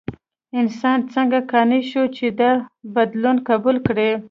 انسان څنګه قانع شو چې دا بدلون قبول کړي؟